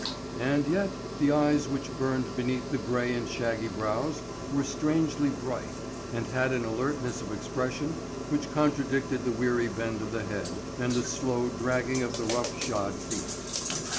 And yet the eyes which burned beneath the gray and shaggy brows were strangely bright, and had an alertness of expression which contradicted the weary bend of the head and the slow dragging of the rough shod feet.